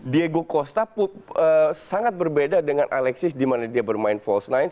diego costa sangat berbeda dengan alexis dimana dia bermain false nine